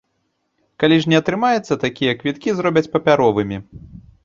Калі ж не атрымаецца, такія квіткі зробяць папяровымі.